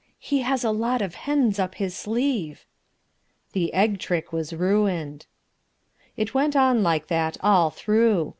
"He has a lot of hens up his sleeve." The egg trick was ruined. It went on like that all through.